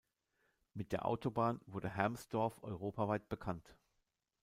Mit der Autobahn wurde Hermsdorf europaweit bekannt.